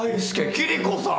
キリコさん！